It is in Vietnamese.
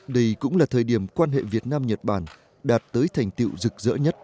đây cũng là thời điểm quan hệ việt nam nhật bản đạt tới thành tiệu dực